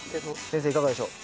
先生いかがでしょう？